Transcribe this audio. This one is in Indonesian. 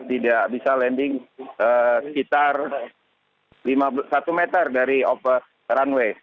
tidak bisa landing sekitar satu meter dari runway